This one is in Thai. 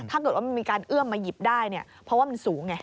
ถ้าเกิดว่ามันมีการเอื้อมมาหยิบได้เนี่ยเพราะว่ามันสูงไง